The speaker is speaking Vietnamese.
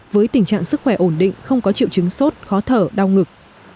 với tình trạng sức khỏe ổn định không có triệu chứng sốt khó thở đau ngực